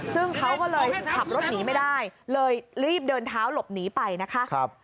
ซึ่งเขาก็เลยขับรถหนีไม่ได้เลยรีบเดินเท้าหลบหนีไปนะคะ